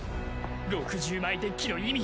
６０枚デッキの意味